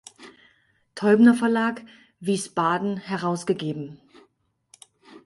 Teubner Verlag, Wiesbaden" herausgegeben.